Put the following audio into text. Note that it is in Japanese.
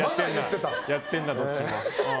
やってんな、どっちも。